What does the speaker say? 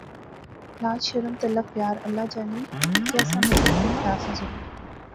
لاج، شرم، تعلق، پیار، اللہ جانے کہہ سا مگی کی تھیا سا ضرور